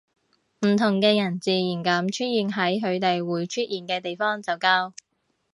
唔同嘅人自然噉出現喺佢哋會出現嘅地方就夠